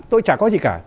tôi chả có gì cả